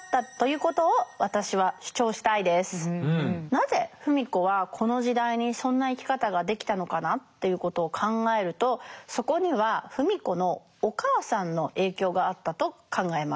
なぜ芙美子はこの時代にそんな生き方ができたのかなということを考えるとそこには芙美子のお母さんの影響があったと考えます。